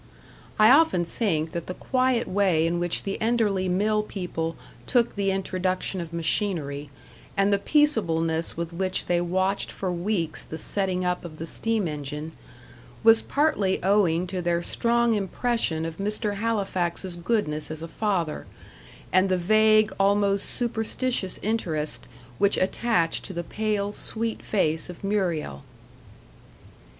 I often think that the quiet way in which the Enderley mill people took the introduction of machinery, and the peaceableness with which they watched for weeks the setting up of the steam engine, was partly owing to their strong impression of Mr. Halifax's goodness as a father, and the vague, almost superstitious interest which attached to the pale, sweet face of Muriel.